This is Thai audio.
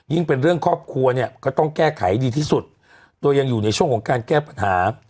เป็นเรื่องครอบครัวเนี่ยก็ต้องแก้ไขดีที่สุดตัวยังอยู่ในช่วงของการแก้ปัญหา